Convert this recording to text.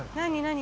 何？